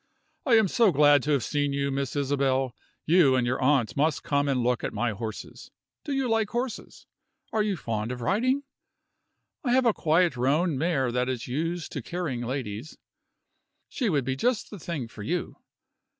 I am so glad to have seen you, Miss Isabel. You and your aunt must come and look at my horses. Do you like horses? Are you fond of riding? I have a quiet roan mare that is used to carrying ladies; she would be just the thing for you.